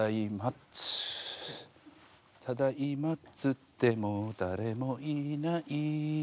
「ただいまっつっても誰もいない」